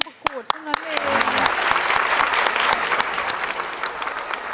ไม่เคยเลยไม่เคยเลยแต่แบบจำจากเด็กร้อง